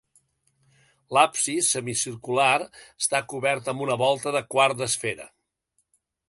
L'absis, semicircular, està cobert amb una volta de quart d'esfera.